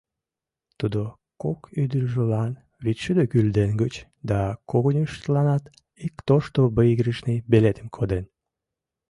Тудо кок ӱдыржылан вичшӱдӧ гульден гыч да когыньыштланат ик тошто выигрышный билетым коден.